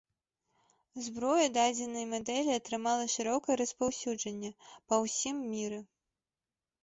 Зброя дадзенай мадэлі атрымала шырокае распаўсюджанне па ўсім міры.